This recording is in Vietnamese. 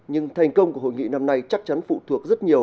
nhưng thành công của hội nghị năm nay chắc chắn phụ thuộc rất nhiều